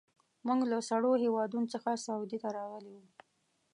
موږ له سړو هېوادونو څخه سعودي ته راغلي وو.